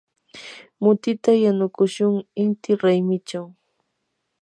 mutita yanukushun inti raymichaw.